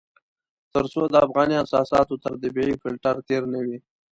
تر څو د افغاني اساساتو تر طبيعي فلټر تېر نه وي.